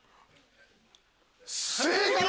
正解！